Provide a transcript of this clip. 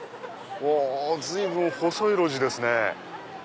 随分細い路地ですね。